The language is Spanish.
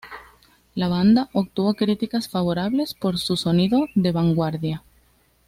La banda obtuvo críticas favorables por su sonido de vanguardia.